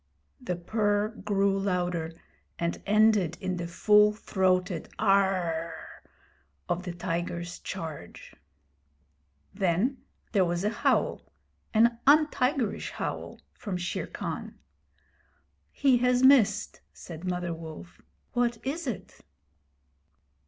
The purr grew louder, and ended in the full throated 'Aaarh!' of the tiger's charge. Then there was a howl an untigerish howl from Shere Khan. He has missed,' said Mother Wolf. 'What is it?'